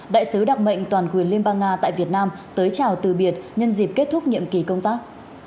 đại sứ đặc mệnh toàn quyền liên bang nga tại việt nam tới chào từ biệt nhân dịp kết thúc nhiệm kỳ công tác